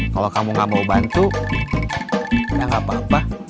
kalau kamu gak mau bantu ya nggak apa apa